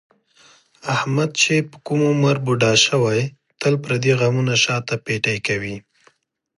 احمد چې په کوم عمر بوډا شوی، تل پردي غمونه شاته پېټی کوي.